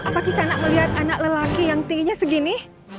apakah kesana melihat anak lelaki yang tingginya segini